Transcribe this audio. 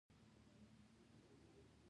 پېښور، پاکستان نه دی.